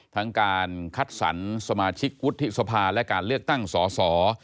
ทั้งการคัดสรรสมาชิกวุฒิสภาและการเลือกตั้งสอสอ